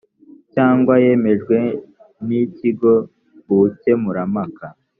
cyangwa yemejwe n ikigo ubukemurampaka